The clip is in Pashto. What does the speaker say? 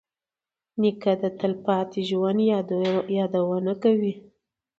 نیکه د تلپاتې ژوند یادونه کوي.